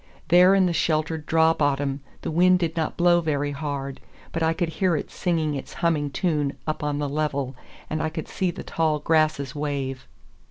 There in the sheltered draw bottom the wind did not blow very hard, but I could hear it singing its humming tune up on the level, and I could see the tall grasses wave.